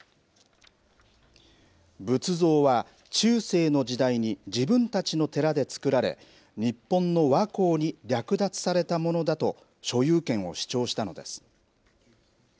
仏像は中世の時代に自分たちの寺で作られ日本の倭寇に略奪されたものだと所有権を主張したのです。